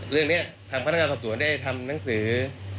เรื่องนี้ทางพนักงานสอบสวนได้ทำหนังสือ